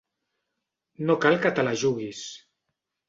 No cal que te la juguis.